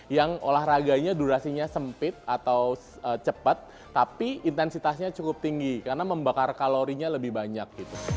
yang olahraganya durasinya sempit atau cepat tapi intensitasnya cukup tinggi karena membakar kalorinya lebih banyak